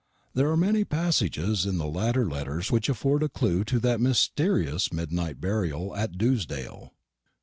There are many passages in the latter letters which afford a clue to that mysterious midnight burial at Dewsdale.